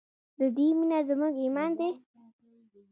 د دې مینه زموږ ایمان دی؟